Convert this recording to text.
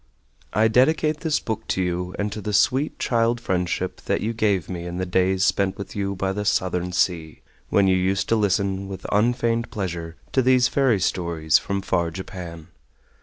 I DEDICATE THIS BOOK TO YOU AND TO THE SWEET CHILD FRIENDSHIP THAT YOU GAVE ME IN THE DAYS SPENT WITH YOU BY THE SOUTHERN SEA, WHEN YOU USED TO LISTEN WITH UNFEIGNED PLEASURE TO THESE FAIRY STORIES FROM FAR JAPAN.